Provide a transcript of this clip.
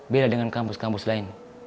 beda dengan kampus kampus lain